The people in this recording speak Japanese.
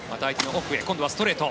今度はストレート。